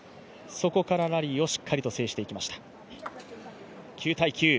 そこからラリーをしっかりと制していきました。